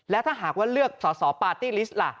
แล้วถ้าหากว่าเลือกสอสอปาร์ตี้ลิสต์ล่ะ